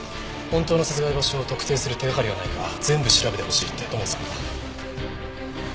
本当の殺害場所を特定する手掛かりがないか全部調べてほしいって土門さんが。